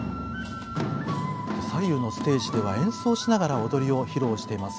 左右のステージでは演奏しながら踊りを披露しています。